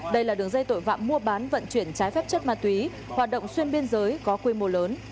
đây là đường dây tội phạm mua bán vận chuyển trái phép chất ma túy hoạt động xuyên biên giới có quy mô lớn